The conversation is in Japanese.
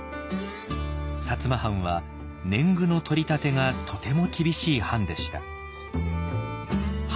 摩藩は年貢の取り立てがとても厳しい藩でした。